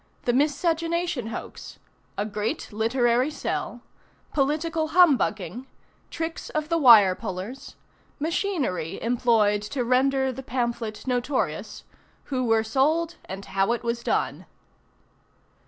THE MISCEGENATION HOAX. A GREAT LITERARY SELL. POLITICAL HUMBUGGING. TRICKS OF THE WIRE PULLERS. MACHINERY EMPLOYED TO RENDER THE PAMPHLET NOTORIOUS. WHO WERE SOLD AND HOW IT WAS DONE.